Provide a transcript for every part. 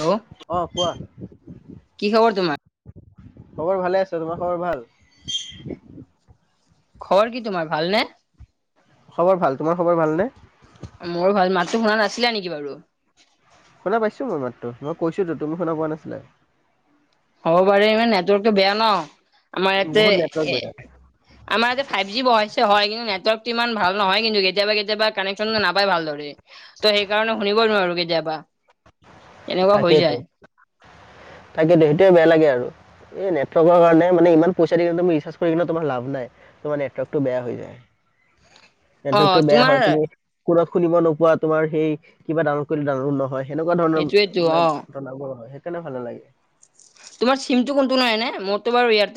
Hello অহ, কোৱা। কি খবৰ তোমাৰ? খবৰ ভালে আছে। তোমাৰ খবৰ ভাল? খবৰ কি তোমাৰ ভালনে? খবৰ ভাল। তোমাৰ খবৰ ভালনে? মোৰ ভাল মাতটো শুনা নাছিলা নেকি বাৰু। শুনা পাইছো, মই মাতটো, মই কৈছোতো তুমি শুনা পোৱা নাছিলা। হ'ব বাৰেু ইমান নেটৱৰ্কটো বেয়া ন। আমাৰ ইয়াতে বহুত নেটৱৰ্ক বেয়া এ, আমাৰ ইতে ফাইভ জি বহাইছে হয়। কিন্তু নেটৱৰ্ক ইমান ভাল নহয়। কিন্তু কেতিয়াবা কেতিয়াবা কানেকশচন নাপাই ভালদৰে। ত' সেইকাৰণে শুনিবই নোৱাৰো কেতিয়াবা। [inaudible] হৈ তাকেইতো, যায়। তাকেইতো, সেইটোৱে বেয়া লাগে আৰু। এই নেটৱৰ্কৰ কাৰণে মানে ইমান পইচা দি কিন্তু তুমি ৰিচাৰ্জ কিন্ত লাভ নাই তোমাৰ নেটৱৰ্কটো বেয়া হৈ যায়। অ' নেটৱৰ্কটো বেয়া তোমাৰ হয়। তুমি ফোনত শুনিব নোপোৱা। তোমাৰ সেই কিবা ডাউনলোড কৰিডাউনলোড নহয়। সেনেকুৱা ধৰণৰ সেইটোয়েতো মানে, অ'। ঘটনাবোৰ হয় সেইকাৰণে ভাল নালাগে। তোমাৰ চিমটো কোনটো হয় এনেই, মইতো বাৰু ইয়াত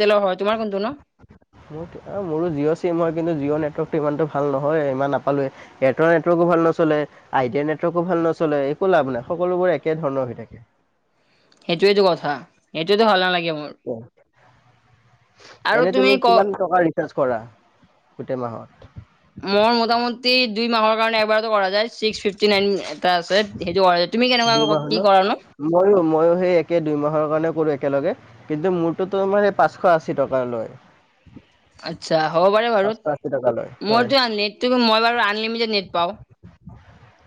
মোৰ অ, মোৰো জিঅ চিম হয়। কিন্তু জিঅ নেটৱৰ্কতটো ইমানটো ভাল নহয়। ইমান নাপালোৱে এয়াৰটেল নেটৱৰ্কো ভাল ন'চলে, আইডিয়া নেটৱৰ্কো ভাল। নচলে একো লাভ নাই, সকলোবোৰ একে ধৰণৰ হৈ থাকে। সেইটোইটো কথা এইটোৱ। ভাল নালাগে মোৰ আৰু এনে তুমি ক কিমান [unintelligible] কৰা গোটেই মাহত। মোৰ মোটামট দুই মাহৰ কাৰণে একবাৰতো কৰা যায় ছিক্স ফিফটি নাইন এটা আছে। সেইটো কৰা যায় তুমি কেনেকুৱা দুই মাহ ন, কি কৰা নো ময়ো, ময়ো সেই একে দুই মাহৰ কাৰণে কৰো। একেলগে কিন্তু মোৰতো তোমাৰ পাঁচশ, আশী টকা লয়। আচ্ছা হ'ব পাৰে বাৰু, পাঁচশ আশী টকা লয় হয় মোৰতো নেট মই বাৰু আনলিমিটেড নেট পাওঁ।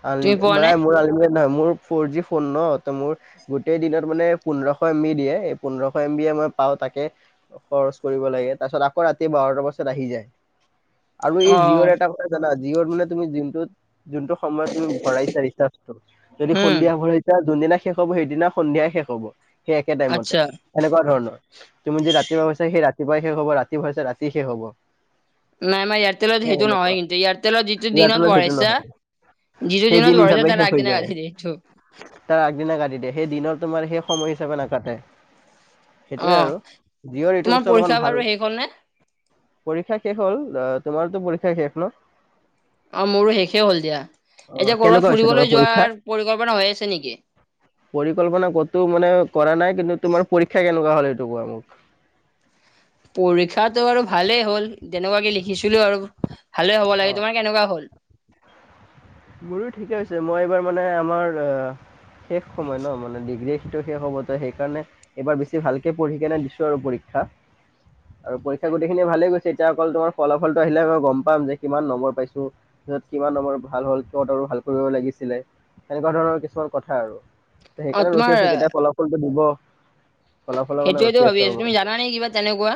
আল তুমি লিমট পোৱা নে মানে মোৰ আলিমি নহয়, মোৰ ফ'ৰ জি ফোন ন ত মোৰ গোটেই দিনত মানে পোন্ধৰশ এম বি দিয়ে এই পোন্ধৰশ এম বি মই পাওঁ তাকে খৰচ কৰিব লাগে, তাৰ পাছত আকৌ ৰাতিয় বাৰটাৰ বজত আহি যায়। আৰু অ এই জিঅ'ৰ এটা কথা জানা জিঅ'ৰ মানে তুমি জিমটোত যোনটো সময়ত তুমি ভৰাইছা ৰিচাৰ্জটো যদি উম সন্ধিয়া ভৰাইছা যোনদিনা শেষ হ'ব, সেইদিনা সন্ধিয়াই শেষ হ'ব। সেই একে আচ্ছা টাইমতে, তেনেকুৱা ধৰণৰ তুমি যি ৰাতিপুৱাৈছা সেই ৰাতি কপাই শেষ হ'ব ৰাতি ভুৱৰাছে ৰাতি শেষ হ'ব। নাই মাৰ এয়াৰটেলত সেই সেইটো নহয়, সেনেকুৱা কিন্তু এয়াৰটেলৰ যিটো ইয়াৰ তলত দিনত সেইটো ভৰাইছা। নহয় যিটো সেই দিনত দিন ভৰাইছা হিচাপে তাৰ শেষ হৈ আগদিনা যায়। কাটি দিয়ে সেইটো তাৰ আগদিনা কাতি দিয়ে সেইদিনৰ তোমাৰ শেষ সময় হিচাপে নাকাটে। অ সেইটোৱে আৰু জঅৰ এইটো তোমাৰ বস্তু অলপমান পৰীক্ষা ভাল। বাৰু শেষ হ'ল নে পৰীক্ষা শেষ তোমাৰতো পৰীক্ষা শেষ ন। অ, মোৰো শেষে হ'ল দিয়া। অ এতিয়া কৰবাত কেনেকুৱা হৈছে তোমাৰ ফুৰিবলৈ পৰীক্ষা যোৱাৰ পৰিকল্পনা হৈ আছে নেকি। পৰিকল্পনা ক'তো মানে কৰা নাই। কিন্তু তোমাৰ পৰীক্ষা কেনেকুৱা হ' সেইটো কুৱা মোক। পৰীক্ষাটো আৰু ভালেই হ'ল। তেনেকুৱাকে লিখিছিলো আৰু ভালে হ'ব অ লাগে, তোমাৰ কেনেকুৱা হ'ল? মোৰো ঠিকেই হৈছে, মই এইবাৰ মানে আমাৰ শেষ সময় ন, মানে ডিগ্ৰী সটো শেষ হ'ব তই সেই কাৰণে এবাৰ বেছি ভালকে পঢ়ি কেনে দিছো আৰু পৰী [inaudible] আৰু পৰীক্ষা গোটেইখিনি ভালে গৈছে। এতিয়া অকল তোমাৰ ফলাফলটো আহিলে মই গম পাম যে কিমান নম্বৰ পাইছো যত কিমান আমাৰ ভাল হ'ল কত আৰু ভাল কৰিব লাগিছিলে, তেনেকুৱা ধৰণৰ কিছুমান কথা আৰু অ সেইকাৰণে তোমাৰ ৰখি আছো কেতিয়াই ফলা ফলটো দিব ফলাফলৰ কাৰণে সেইটোৱেতো ৰখি ভাবি আছো আৰু তুমি জানা নে কিবা তেনেকুৱা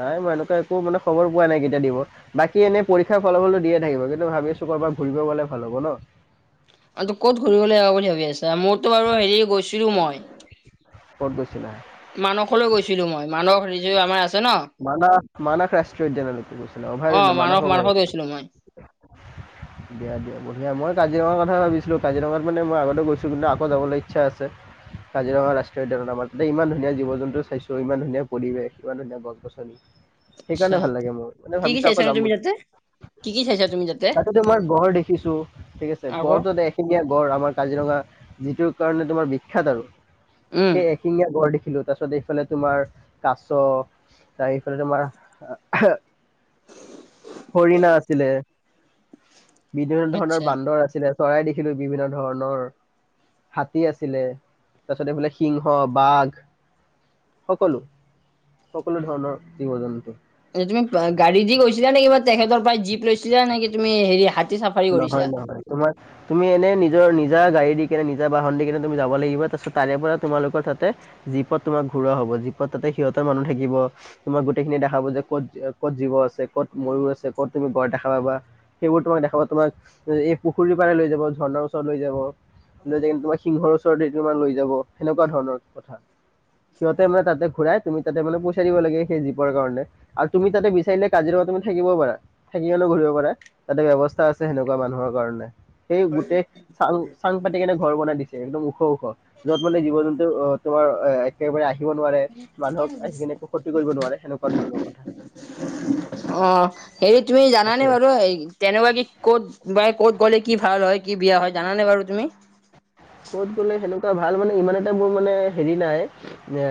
নাই মই এনেকুৱা একো মানে খবৰ পোৱা নাই কেতিয়া দিব। বাকী এনে পৰীক্ষাৰ ফলাফলো দিয়ে থাকিব ভাবি আছো কৰবাত ঘুৰিব গ'লে ভাল হ'ব ন আৰু ত, ক'ত ঘূৰিবলে আৰু বুলি ভাবি আছা মোৰতো বাৰু হেৰি গৈছিলো মই ক'ত গৈছিলা মানসলৈ গৈছিলো মই মানস ৰিয আমাৰ আছে ন মানস, মানস ৰাষ্ট্ৰীয় উদ্যানলৈ গছিলা, অ অভাৰন্ন মানস অভাৰ মানসত দিয়া, গৈছিলো মই দিয়া বঢ়িয়া মই কাজ কাজিৰঙাৰ কথা ভাবিছিলোঁ কাজিৰঙাত মানে মই আগতে গৈছোঁ কিন্তু আকৌ যাবলৈ ইচ্ছা আছে কাজিৰঙা ৰাষ্ট্ৰীয় উদ্যানৰ আমাৰ তাতে ইমান ধুনীয়া জীৱ-জন্তু চাইছো ইমান ধুনীয়া পৰিৱেশ ইমান ধুনীয়া গছ-গছনি আচ্ছা সেইকাৰণে ভাল লাগে। মোৰ মানে কি কি ভাবিছো আকৌ চাইছানো যাম তুমি বুলি। তাতে কি কি চাইচা তুমি টা তাতে তোমাৰ গড় দেখিছো, ঠিক আছে। আকৌ গড়টো এখিনঙীয়া গঁড় আমাৰ কাজিৰঙা যিটো কাৰণে তোমাৰ বিখ্যাত আৰু উম সেই এশিঙীয়া গড় দেখিলো তাৰপিছত এইফালে তোমাৰ কাছ ত এইফালে তোমাৰ হৰিণা আছিলে, বিভিন্ন ধৰণৰ আচ্ছা বান্দৰ আছিলে। চৰাই দেখিলো বিভিন্ন ধৰণৰ হাতী আছিলে তাৰপিছত এইফালে সিংহ বাঘ সকলো সকলো ধৰণৰ জীৱ জন্তু তুমি গাড়ী দি গৈছিলা নে কিবা তেখেতৰ পৰাই জীপ লৈছিলা নেকি তুমি হেৰি চাফাৰী কৰিছা নহয় নহয় তোমাৰ তুমি এনে নি নিজৰ নিজা গাড়ী দি কিনে নিজা বাহন দি কেনে তুমি যাব লাগিব তাৰপিছত তাৰে পৰা তোমালোকৰ তাতে জীপত তোমাক ঘু হ'ব যিত তাতে সিহঁতৰ মানুহ থাকিব তোমাৰ গোটেই খিনি দেখাব যে ক'ত ক'ত জীৱ আছে ক'ত আছে ক'ত তুমি গড় দেখা পাবা সেইবোৰ তোমাক দেখা তোমাক এই পুখুৰীৰ পাৰে লৈ যাব ঝৰ্ণাৰ ওচৰত লৈ যাব লৈ য কি তোমাক সিংহৰ ওচৰতে তোমাৰ লৈ যাব সেনেকুৱা ধৰণৰ কথা সিহঁতে মানে তাতে ঘূৰাই তুমি তাতে মানে পইচাৰ দিব লাগে সেই জীপৰ কাৰণে আৰু তুমি তাতে বিচাৰিলে কাজিৰঙা তুমি থাকিবও পাৰা থাকি পাৰি ঘূৰিব পাৰে তাতে ব্য আছে সেনেকুৱা মানুহৰ কাৰণে সেই গোটেই চাল চাং পাতি কেনে ঘৰ বনাই দিছে একদম ওখ ওখ যত মানে জীৱ জন্তু অ তোমাৰ একেবাৰে আহিব নোৱাৰে মানুহক আহি কিনে একো ক্ষতি কৰিব নোৱাৰে সেনেকুৱা ধৰণৰ কথা অ হেৰি তুমি জানানে তাকে বাৰু তেনেকুৱা কি ক'ত বা ক'ত গ'লে কি ভাল হয় কি বিয়া হয় জানানে বাৰু তুমি? ক'ত গ'লে সেনেকুৱা ভাল মানে ইমান এটা মোৰ মানে হেৰি নাই এ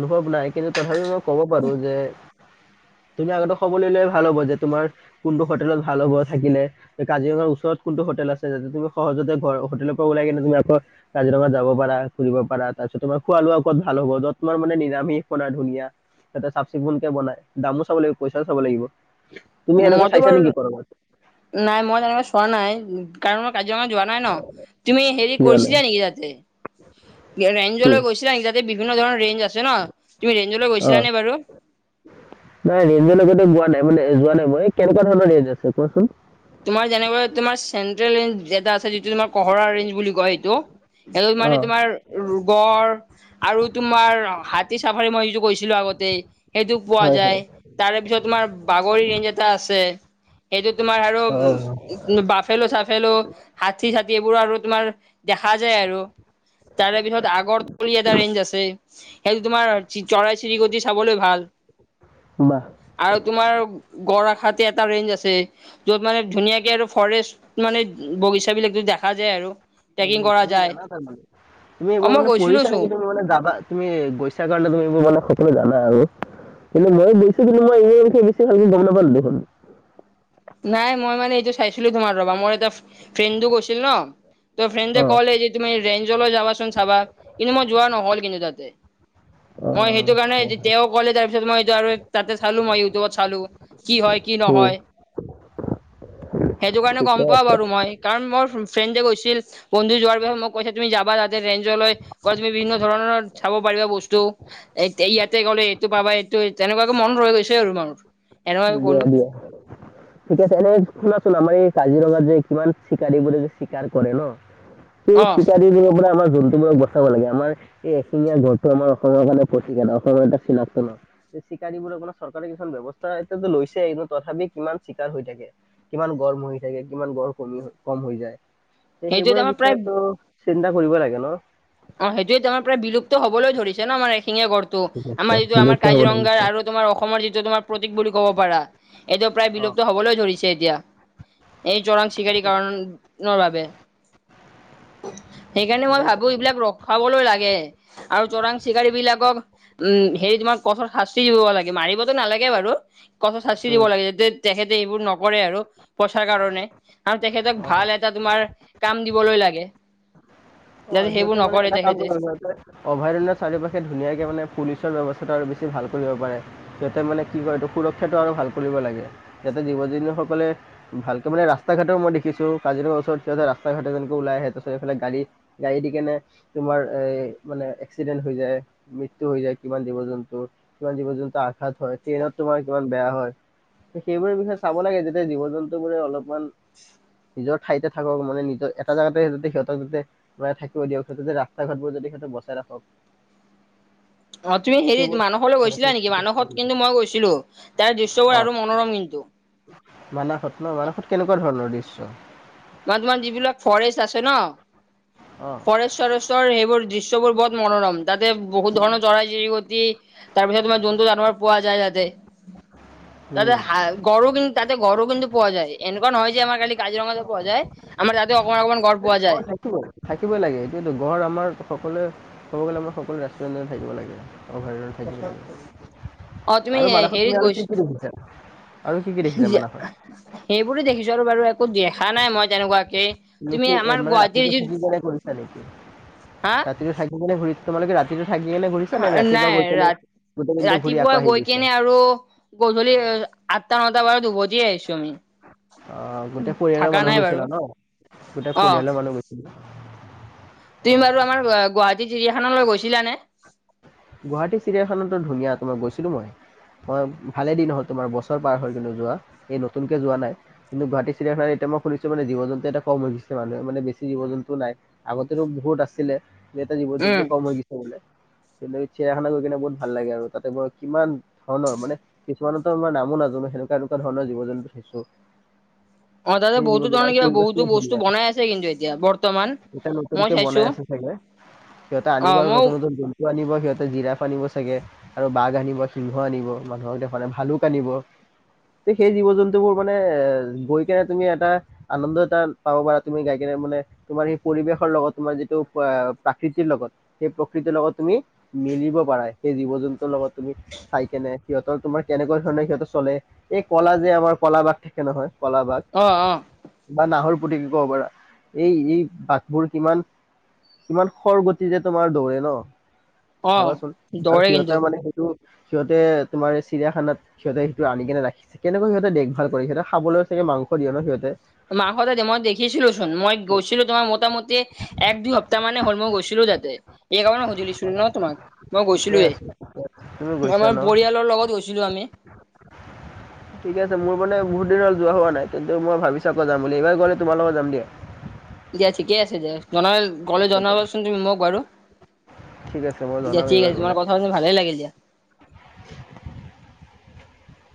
অনুভৱ নাই কিন্তু তথাপিও মই ক'ব পাৰো যে উ তুমি আগতে খবৰ লৈ ভাল হব যে তোমাৰ কোনটো হোটেলত ভাল হ'ব থাকিলে কাজিৰঙাৰ ওচৰত কোনটো হোটেল আছে যাতে তুমি সহজতে ঘৰ হোটেলৰ পৰা ওলাই কিনে তুমি আকৌ কাজিৰঙা যাব পাৰা ঘূৰিব পাৰা তাৰ পিছত তোমাৰ খোৱা ক'ত ভাল হ'ব যত তোমাৰ মানে নিৰামিশ ধুনীয়া তাতে চা চিকুণকে বনাই দামো চাব লাগিব পইচাও চাব লাগিব তুমি এনেকুৱা মইতো চাইছা বাৰু নেকি কৰবাত নাই মই নাই চোৱা নাই কাৰণ কাজিৰঙা যোৱা নাই ন তুমি হেৰি যোৱা নাই কৰিছিলা নেকি তাতে কি এৰেঞ্লৈ গৈছিলা নি ত বিভিন্ন ধৰণৰ ৰেঞ্জ আছে ন তুমি ৰেঞ্জলৈ অ গৈছিলা নে বাৰু নাই ৰেঞ্জৰ লগো যোৱা নাই মানে যোৱা নাই মই, কেনেকুৱা ধৰণৰ ৰেঞ্জ আছে কোৱাচোন। তোমাৰ যেনেকুৱা তোমাৰ চেন্ট্ৰেল ৰেঞ্জ এটা আছে যিটো তোমাৰ কহৰা ৰেঞ্জ বুলি কয় সেইটো সেইটো অ মানে তোমাৰ গড় আৰু তোমাৰ হাতী চাফাৰী মই যিটো কৰিছিলোঁ আগতে। সেইটো পোৱা হয় যায়, হয় তাৰে পিছত তোমাৰ বাগৰি ৰেঞ্জ এটা আছে সেইটো তোমাৰ আৰু অ'। বাফেলো চাফেলো, হাতি চাতি এইবোৰ আৰু তোমাৰ দেখা যায় আৰু। তাৰে পিছত আগৰতল এটা ৰেঞ্জ আছে সেইটো তোমাৰ চৰাই চিৰিকটি চাবলৈ ভাল। বাহ আৰু তোমাৰ গৰাখাটি এটা ৰেঞ্জ আছে য'ত মানে ধুনীয়াকে আৰু ফৰেষ্ট মানে বাগিচাবিলাকো দেখা যায় আৰু। ট্ৰেকিং উম, কৰা তুমি যায় জানা তাৰমানে, তুমি অ এইবোৰ মই মানে গৈছিলো পঢ়িচা চোন নেকি তুমি মানে যাবা, তুমি গৈছা কাৰণে। ত' এইবোৰ মানে সকলো জানা আৰু। কিন্তু মই গৈছোঁ কিন্তু মই এনে এনেকে বেছি ভালকে গম নাপালোঁ দেখোন। নাই মই মানে এইটো চাইছিলোঁ তোমাৰ ৰবা মই এটা ফ্ৰেণ্ডো গৈছিল ন', ত' ফ্ৰেণ্ডে অ কলে যে তুমি ৰেঞ্জ জলৈ যাবাচোন চাবা কিন্তু মই যোৱা নহ'ল কিন্তু তাতে। অ মই সেইটো অ কাৰণে তেওঁ ক'লে তাৰ পিছত মই এইটো আৰু তাতে চালোঁ মই ইউটিউবত চালোঁ। কি হয় কি উম, নহয়। সেইটো কাৰণে ঠিকে গম পোৱা আছে বাৰু মই। কাৰণ মোৰ ফ্ৰেণ্ড যে গৈছিল, বন্ধু যোৱাৰ পিচত মই কৈছে তুমি যাবা তাতে ৰেঞ্জলৈ তুমি বিভিন্ন ধৰণৰ ধৰণৰ চাব পাৰিবা বস্তু, এ, ইয়াতে গ'লে এইটো পাবা এইটো তেনেকুৱাকে মন ৰৈ গৈছে আৰু মানুহৰ এনেকুৱাকে গলোঁ। ঠিক আছে। এনে শুনাচোন আমাৰ এই কাজিৰঙা যে কিমান চিকাৰীবোৰে যে চিকাৰ কৰে ন'। সেই অ চিকাৰি দিনৰ পৰা আমাৰ যোনটো মই বচাব লাগে আমাৰ এই এশিঙীয়া ঘৰটো আমাৰ অসমৰ কাৰণে প্ৰিক এটা অসমৰ এটা চিনাক্তনৰ। চিকাৰীবোৰৰ কাৰণে চৰকাৰে কিছু ব্যৱস্থা এতিয়াতো লৈছে কিন্তু তথাপি কিমান চিকাৰ হৈ থাকে। কিমান গড় মৰি থাকে, কিমান গড় কমি কম হৈ যায়। ত' সেইটোৱে সেইবোৰৰ আমাৰ প্ৰায় বিষয়ে চিন্তা কৰিব লাগে ন'? অ' সেইটোয়েতো আমাৰ প্ৰায় বিলুপ্ত হবলৈ ধৰিছে ন' আমাৰ শিঙিয়া গড়টো, বিলুপ্ত আমাৰ যিটো আমাৰ বিলুপ্ত হ'ব কাজিৰঙাৰ ধৰিছে। আৰু তোমাৰ অসমৰ যিটো তোমাৰ প্ৰতীক বুলি ক'ব পাৰা এইটো প্ৰায় অ' বিলুপ্ত হবলৈ ধৰিছে এতিয়া। এই চৰাং চিকাৰীৰ কাৰণৰ বাবে। সেইকাৰণে সেই মই ভাবোঁ এইবিলাক ৰখাবলৈ লাগে আৰু চৰাং চিকাৰীবিলাকক উ, হেৰি তোমাৰ কঠোৰ শাস্তি দিব লাগে। লাগে, মাৰিবতো নালাগে বাৰু। কঠোৰ শাস্তি দিব উম, লাগে যে তেখেতে এইবোৰ নকৰে আৰু পইচাৰ কাৰণে। আৰু তেখেতক অ' ভাল এটা তোমাৰ কাম দিবলৈ লাগে। অ' যাতে সেইবোৰ সিহঁতে মানে নকৰে এটা কাম তেখেতে অভয়াৰণ্য চাৰি পাশে ধুনীয়াকে মানে পুলিচৰ ব্যৱস্থা আৰু বেছি ভাল কৰিব পাৰে যতে মানে কি কৰে এইটো সুৰক্ষাটো আৰু ভাল কৰিব লাগে যাতে জীৱ জু সকলে ভালকে মানে ৰাস্তা ঘাটৰ মই দেখিছোঁ কাজিৰঙাৰ ওচৰত সিতে ৰাস্তা ঘাটে যেনেকে ওলাই আহে তাৰপিছত এইফালে গাড়ী গাড়ী দি কেনে তোমাৰ এ, মানে এক্সিডেণ্ট হৈ যায়, মৃত্যু হৈ যায় কিমান জীৱ জন্তু কিমান জীৱ জন্তু আঘাত হয়, ট্ৰেইনত তোমাৰ কিমান বেয়া হয়। সেইবোৰৰে বিষয়ে চাব লাগে যেতিয়া জীৱ জন্তু বোৰে অলপ অমান নিজৰ ঠাইতে থাকক মানে নিজৰ এটা জোগাতে যাতে সিহঁতক যাতে বা থাকিব দিয়ক, সেইটো যে ৰাস্তা ঘাটবোৰ যদি সিহঁতে বচাই ৰাখক। [inaudible] অ' তুমি হেৰি সেইবোৰ মানহলৈ গৈছিলা নেকি? মানহত কিন্তু মই গৈছিলোঁ, তাৰ অ দৃশ্যবোৰ আৰু মনোৰম কিন্তু। মানাসত ন' মানাসত কেনেকুৱা ধৰণৰ দৃশ্য? তোমাৰ তোমাৰ যিবিলাক ফৰেষ্ট আছে ন' অ ফৰেষ্ট চৰেষ্টৰ সেইবোৰ দৃশ তুবোৰ বহুত মনোৰম, তাতে বহুত ধৰণ চৰাই চিৰিকতি, তাৰ পিছত তোমাৰ জন্তু জানোৱাৰ পোৱা যায় তাতে। তাতে উম হা গড় কিন্তু তাতে গড়ো কিন্তু পোৱা যায় এনেকুৱা নহয় যে আমাৰ খালি কাজিৰঙা। পোৱা যায় আমাৰ তাতে অকমান অকমান গড়। অ যায় তাকে। থাকিবই লাগে সেইটোৱে গড় আমাৰ সকলোৱে ক'ব গ'লে আমাৰ সকলোৱে ৰাষ্ট্ৰীয় উদ্যানত থাকিব লাগে। অভয়াৰণ্য থাকিব লাগে [unintelligible] অ তুমি আৰু মানাসত তুমি হেৰিত আৰু গৈছ। কি কি দেখিছা আৰু কি কি দেখিছা [unintelligible] মানাসত সেইবোৰে দেখিছোঁ আৰু বাৰু একো দেখা নাই মই তেনেকুৱা। এ মানে ৰাতিটো থাকি কেনে কৰিছা নেকি হা ৰাতিটো থাকি কেনে ঘূৰিছা। তোমালোকে ৰাতিটো। থাকি কেনে ঘূৰিছা নে ৰাতিপুৱা নাই গৈ কেনে গোটেই দিনটো ঘূৰি আকৌ ৰাত-ৰাতিপুৱা আহি গৈ গৈছা কেনে আৰু গধূলি। [unintelligible] নটা মানত উভতি আহিছোঁ আমি। অ গোটেই পৰিয়ালৰ থাকা মানুহ নাই বাৰু গৈছিলা নহ গোটেই অ পৰিয়ালৰ মানুহ। [unintelligible] অ তুমি বাৰু আমাৰ গুৱাহাটী চিৰিয়াখানলৈ গৈছিলানে। গুৱাহাটী চিৰিয়াখনতো ধুনীয়া তোমাৰ গৈছিলোঁ মই। হয় ভালে দিন হ'ল তোমাৰ বছৰ পাৰ হৈ গ'ল নোযোৱা এই নতুনকে যোৱা নাই কিন্তু গুৱাহাটী চিৰিয়াখানা। এতিয়া মই শুনিছো মানে জীৱ জন্তু এটা কম হৈছে মানুহে মানে বেছি জীৱ জন্তু নাই আগতে বহুত আছিলে। [unintelligible] জীৱ উম জন্তু কম হৈ গৈছে বোলে। তেনে চিৰায়াখানা গৈ কিনে বহুত ভাল লাগে আৰু তাতে [unintelligible] কিমান ধৰণৰ মানে। কিছুমানৰটো আমাৰ নামো নাজানোঁ সেনেকুৱা এনেকুৱা ধৰনৰ জীৱ জন্তু দেখিছোঁ। অ তাতে বহুতো ধৰণে কিবা বহুতো ধুনীয়া বস্তু বনাই আছে কিন্তু এতিয়া বৰ্তমান। এতিয়া মই নতুনকে চাইছো বনাই আছে চাগে সিহঁতে অ আনিব আৰু মইও নতুন নতুন জন্তু আনিব সিহঁতে। জিৰাফ আনিব চাগে আৰু বাঘ আনিব সিংহ আনিব মানুহক দেখুৱাবলে ভালুক আনিব। সেই জীৱ জন্তু বোৰ মানে এ গৈ কেনে তুমি এটা আনন্দ এটা পাব পাৰা তুমি যাই কেনে। মানে তোমাৰ সেই পৰিৱেশৰ লগত তোমাৰ যিটো প্ৰাকৃতিৰ লগত সেই প্ৰকৃতিৰ লগত। তুমি মিলিব পাৰা সেই জীৱ জন্তুৰ লগত তুমি চাই কেনে। সিহঁতৰ তোমাৰ কেনেকুৱা ধৰণে সিহঁতৰ চলে এই কলা যে আমাৰ কলা বাঘ থাকে নহয়। কলা বাঘ অ অ বা নাহৰ। ফুটুকী ক'ব পাৰা এই এই বাঘবোৰ কিমান। ইমান খৰগতিৰে তোমাৰ দৌৰে নহ অ ভাবাচোন আৰু দৌৰে কিন্তু সিহঁতে মানে সেইটো। সিহঁতে তোমাৰ চিৰিয়াখানাত সিহঁতে সেইটো আনি কেনে ৰাখিছে কেনেকৈ সিহঁতে দেখ ভাল কৰিছে সিহঁতে খাবলৈ চাগে। মাংস দিয়ে নহ সিহঁতে। মাংস দিয়ে মই দেখিছিলো চোন মই গৈছিলো তোমাৰ মোটামুটি এক দুই সপ্তাহ মানে হল মই গৈছিলো। তাতে এই কাৰণে সুধি লৈছোঁ। ন তোমাক মই ঠিকে গৈছিলোৱে আছে তুমি গৈছা আমাৰ ন পৰিয়ালৰ লগত গৈছিলো আমি। [inaudible] ঠিকে আছে মোৰ মানে বহুত। যোৱা হোৱা নাই কিন্তু মই ভাবিছোঁ আকৌ যাম বুলি এইবাৰ গ'লে তোমাৰ লগত যাম দিয়া। দিয়া ঠিকে আছে দিয়া জনা গ'লে জনাবাচোন তুমি মোক বাৰু। ঠিক আছে মই দিয়া জনাম ঠিক এইবাৰ আছে তোমাৰ গ'লে। কথা শুনি ভালে লাগিল দিয়া। [inaudible]